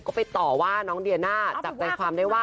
ก็ไปต่อว่าน้องเดียน่าจับใจความได้ว่า